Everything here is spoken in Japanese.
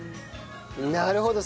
なるほど。